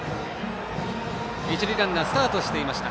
一塁ランナースタートしていました。